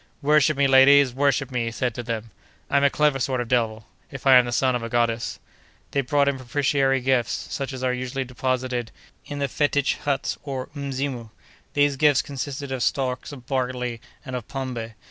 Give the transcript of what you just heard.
"Worship me, ladies! worship me!" he said to them. "I'm a clever sort of devil, if I am the son of a goddess." They brought him propitiatory gifts, such as are usually deposited in the fetich huts or mzimu. These gifts consisted of stalks of barley and of "pombe."